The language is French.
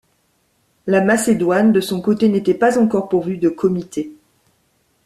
La Macédoine de son côté n'était pas encore pourvue de comité.